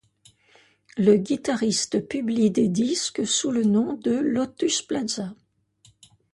Le guitariste publie des disques sous le nom de Lotus Plaza.